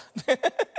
ハハハ。